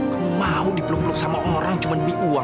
kamu mau dipeluk peluk sama orang cuma demi uang